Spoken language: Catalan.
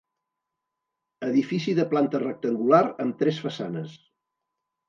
Edifici de planta rectangular amb tres façanes.